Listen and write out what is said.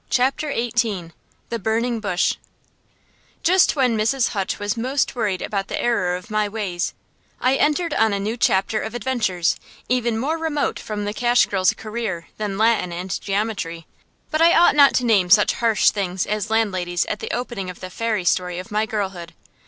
CHAPTER XVIII THE BURNING BUSH Just when Mrs. Hutch was most worried about the error of my ways, I entered on a new chapter of adventures, even more remote from the cash girl's career than Latin and geometry. But I ought not to name such harsh things as landladies at the opening of the fairy story of my girlhood.